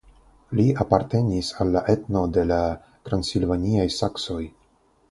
Li apartenis al la etno de la transilvaniaj saksoj.